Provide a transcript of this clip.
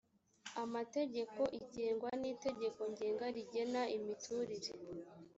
amategeko igengwa n itegeko ngenga rigena imiturire